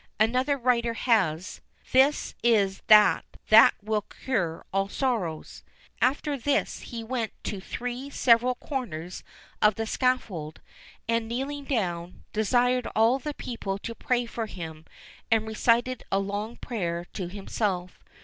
Another writer has, "This is that that will cure all sorrows." After this he went to three several corners of the scaffold, and kneeling down, desired all the people to pray for him, and recited a long prayer to himself.